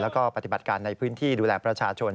แล้วก็ปฏิบัติการในพื้นที่ดูแลประชาชน